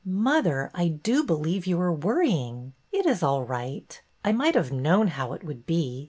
" Mother, I do believe you are worrying. It is all right. I might have known how it would be.